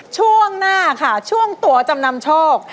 ช่วงหน้าค่ะช่วงตัวจำนำโชค